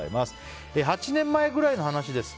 ８年前くらいの話です。